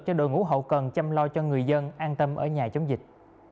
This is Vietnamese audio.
cho đội ngũ hậu cần chăm lo cho người dân an tâm ở nhà chống dịch